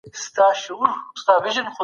يووالی کي قوت دی